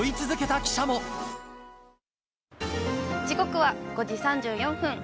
時刻は５時３４分。